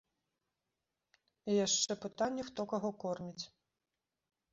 І яшчэ пытанне, хто каго корміць.